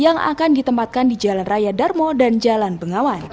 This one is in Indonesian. yang akan ditempatkan di jalan raya darmo dan jalan bengawan